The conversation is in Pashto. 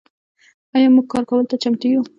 آیا موږ کار کولو ته چمتو یو؟